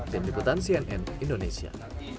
dendikutan cnn indonesia